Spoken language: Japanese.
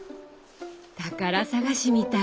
宝探しみたい。